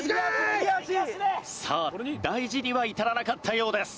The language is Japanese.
さあ大事には至らなかったようです。